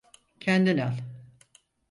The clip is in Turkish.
Kendin al.